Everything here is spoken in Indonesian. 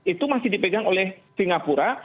itu masih dipegang oleh singapura